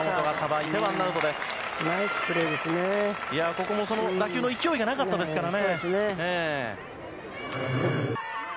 いやぁ、ここも打球の勢いがなかったですからね。